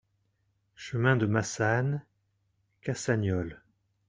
Chemin de Massanes, Cassagnoles